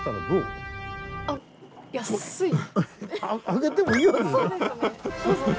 あげてもいいよね。